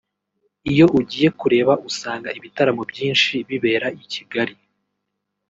Iyo ugiye kureba usanga ibitaramo byinshi bibera i Kigali